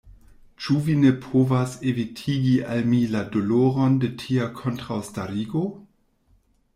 Ĉu vi ne povas evitigi al mi la doloron de tia kontraŭstarigo?